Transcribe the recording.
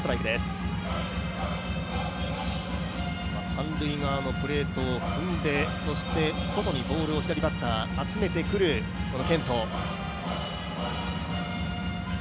三塁側のプレートを踏んで、そして外に、左バッター、ボールを集めてくるケント。